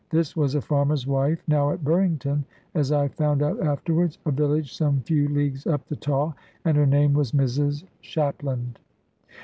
This was a farmer's wife now at Burrington (as I found out afterwards), a village some few leagues up the Tawe, and her name was Mrs Shapland.